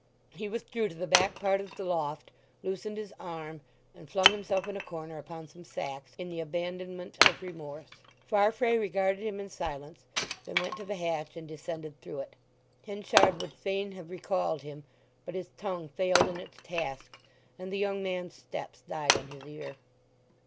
He withdrew to the back part of the loft, loosened his arm, and flung himself in a corner upon some sacks, in the abandonment of remorse. Farfrae regarded him in silence; then went to the hatch and descended through it. Henchard would fain have recalled him, but his tongue failed in its task, and the young man's steps died on his ear.